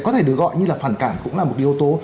có thể được gọi như là phản cảm cũng là một yếu tố